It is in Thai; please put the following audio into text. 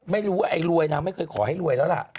ไม่รู้ว่าไอ้รวยนางไม่เคยขอให้รวยแล้วล่ะ